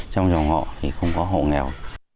trong dòng họ thì không có hộ nghèo